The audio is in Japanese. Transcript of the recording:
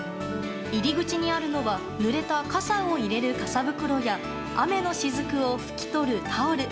入り口にあるのはぬれた傘を入れる傘袋や雨のしずくを拭き取るタオル。